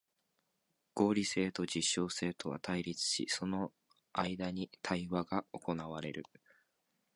合理性と実証性とは対立し、その間に対話が行われる。